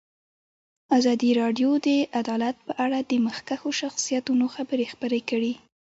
ازادي راډیو د عدالت په اړه د مخکښو شخصیتونو خبرې خپرې کړي.